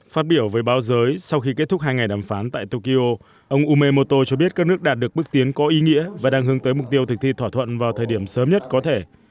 phát biểu với báo giới sau khi kết thúc hai ngày đàm phán tại tokyo ông umeoto cho biết các nước đạt được bước tiến có ý nghĩa và đang hướng tới mục tiêu thực thi thỏa thuận vào thời điểm sớm nhất có thể